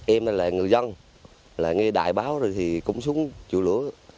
em là người dân nghe đài báo rồi thì xuống chụi lửa